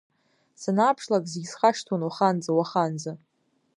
Санааԥшлак зегь схашҭуан уаханӡа, уаханӡа…